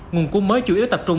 nguồn cung mới chủ yếu tập trung